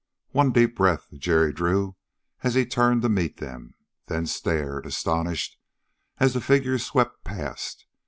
One deep breath Jerry drew as he turned to meet them. Then stared, astonished, as the figures swept past.